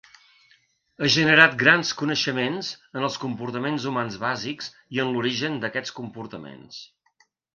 Ha generat grans coneixements en els comportaments humans bàsics i en l'origen d'aquests comportaments.